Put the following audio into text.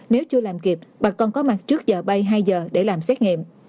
nếu chưa làm kịp bà con có mặt trước giờ bay hai giờ để làm xét nghiệm